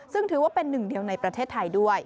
ซึ่งถือว่าเป็นหนึ่งเดียวในประเทศไทยด้วย